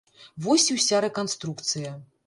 Вось і ўся рэканструкцыя.